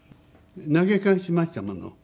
投げ返しましたもの。